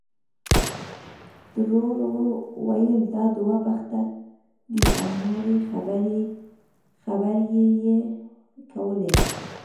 ترور ویل دا دوه بخته دی او نورې خبرې یې کولې.